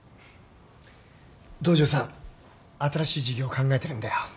東城さん新しい事業考えてるんだよ。